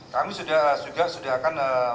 kami sudah akan